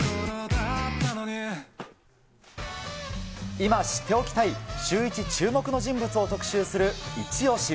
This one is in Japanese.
今、知っておきたいシューイチ注目の人物を特集するイチオシ。